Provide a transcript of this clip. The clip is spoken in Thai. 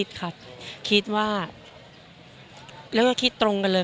คิดครับคิดว่าแล้วก็คิดตรงกันเลย